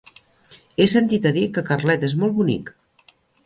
He sentit a dir que Carlet és molt bonic.